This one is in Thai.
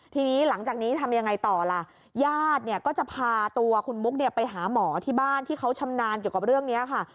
ทีนี้หลังจากนี้ทำยังไงต่อล่ะญาติเนี่ยก็จะพาตัวคุณมุกไปหาหมอที่บ้านที่เขาชำนาญเกี่ยวกับเรื่องนี้ค่ะ